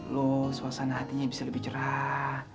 loh suasana hatinya bisa lebih cerah